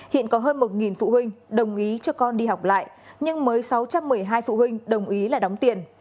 hiện có hơn một phụ huynh đồng ý cho con đi học lại nhưng mới sáu trăm một mươi hai phụ huynh đồng ý là đóng tiền